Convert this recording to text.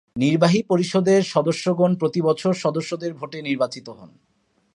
নির্বাহী পরিষদের সদস্যগণ প্রতি বছর সদস্যদের ভোটে নির্বাচিত হন।